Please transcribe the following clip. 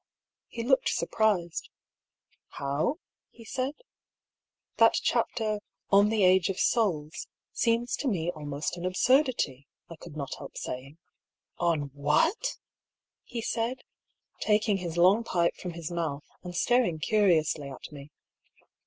He looked surprised. " How ?" he said. " That chapter * On the Age of Souls ' seems to me almost an absurdity," I could not help saying. " On whatf^^ he said, taking his long pipe from his mouth, and staring curiously at me.